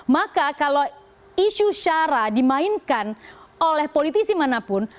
maka kalau isu syara dimainkan oleh politisi manapun